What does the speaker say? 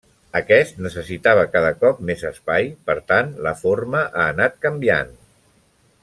Aquest necessitava cada cop més espai, per tant, la forma ha anat canviant.